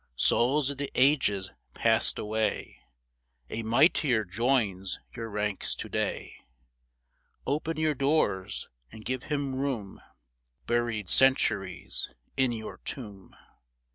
Souls of the ages passed away, A mightier joins your ranks to day ; Open your doors and give him room, Buried Centuries, in your tomb